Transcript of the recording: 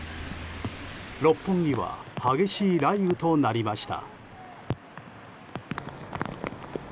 六本木は激しい雷雨となりました。